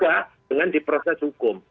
dengan diproses hukum